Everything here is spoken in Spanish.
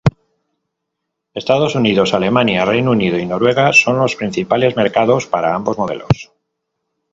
Estados Unidos, Alemania, Reino Unido y Noruega son los principales mercados para ambos modelos.